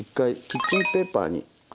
キッチンペーパーに。